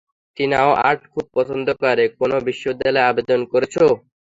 টিনাও art খুব পছন্দ করে, কোন বিশ্ববিদ্যালয়ে আবেদন করেছো?